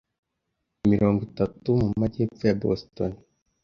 mirongo itatu mumajyepfo ya Boston.